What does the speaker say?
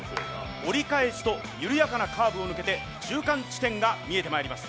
折り返すと緩やかなカーブを抜けて中間地点が見えてまいります。